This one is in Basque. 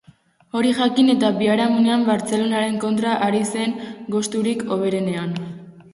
Hori jakin eta biharamunean Bartzelonaren kontra ari zen gosturik hoberenean!